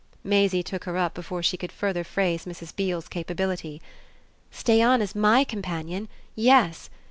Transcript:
Maisie took her up before she could further phrase Mrs. Beale's capability. "Stay on as MY companion yes.